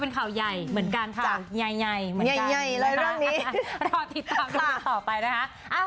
เป็นข่าวใหญ่เหมือนกันข่าวใหญ่เหมือนกันรอติดตามกันต่อไปนะคะ